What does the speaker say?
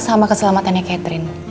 sama keselamatannya catherine